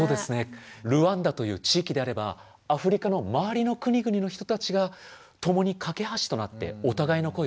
ルワンダという地域であればアフリカの周りの国々の人たちが共に懸け橋となってお互いの声をつなげていった。